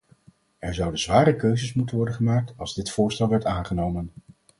Er zouden zware keuzes moeten worden gemaakt als dit voorstel werd aangenomen.